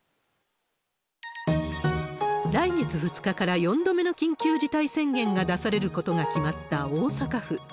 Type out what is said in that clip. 来月２日から４度目の緊急事態宣言が出されることが決まった大阪府。